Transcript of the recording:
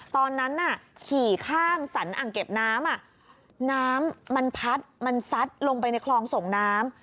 ตอนนั้นน่ะขี่ข้ามสรรอ่างเก็บน้ำน้ำมันพัดมันซัดลงไปในคลองส่งน้ำ